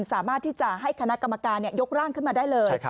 สามารถที่จะให้คณะกรรมการยกร่างขึ้นมาได้เลย